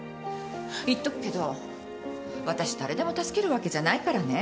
言っとくけど私誰でも助けるわけじゃないからね。